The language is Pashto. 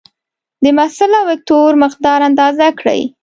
د محصله وکتور مقدار اندازه کړئ.